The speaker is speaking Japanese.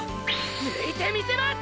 抜いてみせます！！